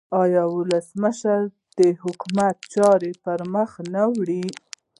آیا ولسمشر د حکومت چارې پرمخ نه وړي؟